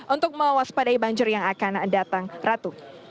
untuk mewaspadai banjir yang akan datang ratu